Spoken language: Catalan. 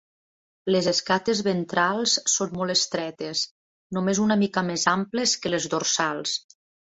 Les escates ventrals són molt estretes, només una mica més amples que les dorsals.